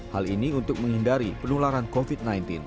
hal ini untuk menghindari penularan covid sembilan belas